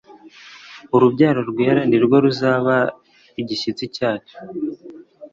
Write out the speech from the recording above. urubyaro rwera ni rwo ruzaba igishyitsi cyacyo